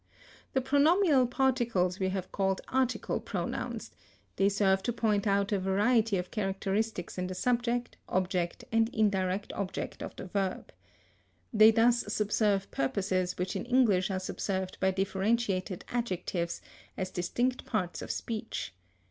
The pronominal particles we have called article pronouns; they serve to point out a variety of characteristics in the subject, object, and indirect object of the verb. They thus subserve purposes which in English are subserved by differentiated adjectives as distinct parts of speech.